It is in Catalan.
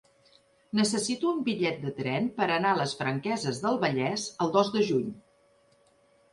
Necessito un bitllet de tren per anar a les Franqueses del Vallès el dos de juny.